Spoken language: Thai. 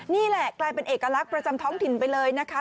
นี่แหละกลายเป็นเอกลักษณ์ประจำท้องถิ่นไปเลยนะคะ